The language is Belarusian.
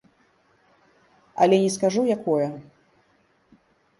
Але не скажу, якое.